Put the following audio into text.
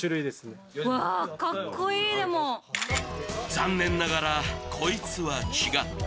残念ながら、こいつは違った。